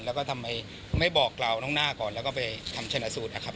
แล้วก็ทำไมไม่บอกเราน้องหน้าก่อนแล้วก็ไปทำชนะสูตรนะครับ